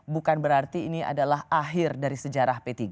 bukan berarti ini adalah akhir dari sejarah p tiga